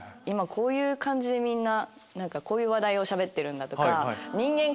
今こういう感じでみんなこういう話題をしゃべってるんだとか。